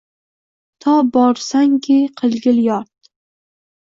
To borsanki, qilgin yod.